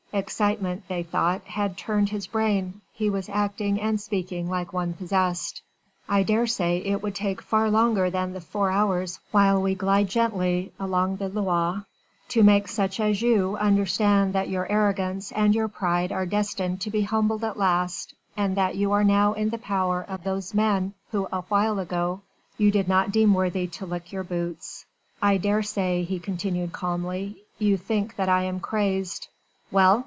Excitement, they thought, had turned his brain: he was acting and speaking like one possessed. "I dare say it would take far longer than the next four hours while we glide gently along the Loire, to make such as you understand that your arrogance and your pride are destined to be humbled at last and that you are now in the power of those men who awhile ago you did not deem worthy to lick your boots. I dare say," he continued calmly, "you think that I am crazed. Well!